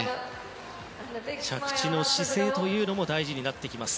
着地の姿勢というのも大事になってきます。